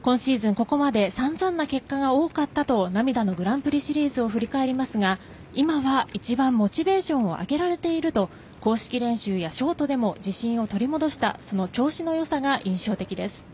ここまでさんざんな結果が多かったと涙のグランプリシリーズを振り返りますが今は一番モチベーションを上げられていると公式練習やショートでも自信を取り戻した調子のよさが印象的です。